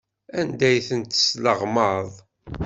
Anda ay ten-tesleɣmaḍ?